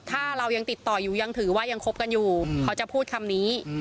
ถ้าเรายังติดต่ออยู่ยังถือว่ายังคบกันอยู่เขาจะพูดคำนี้